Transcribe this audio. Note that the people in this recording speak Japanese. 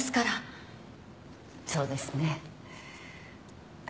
そうですね。